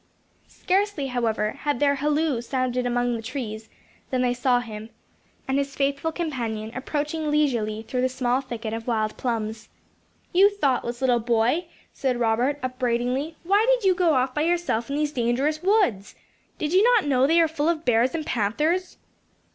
Scarcely, however, had their halloo sounded among the trees, than they saw him and his faithful companion approaching leisurely through the small thicket of wild plums. "You thoughtless little boy," said Robert, upbraidingly; "why did you go off by yourself in these dangerous woods? Did you not know they are full of bears and panthers?"